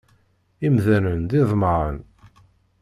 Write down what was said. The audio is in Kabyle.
Imdanen d iḍemmaɛen.